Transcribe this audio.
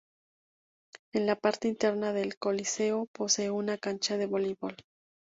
En la parte interna del coliseo posee una cancha de Voleibol.